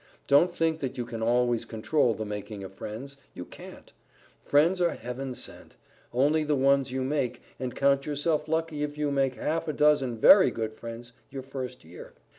Don't think that you can always control the making of friends; you can't. Friends are Heaven sent. Hold the ones you make, and count yourself lucky if you make half a dozen very good friends your first year.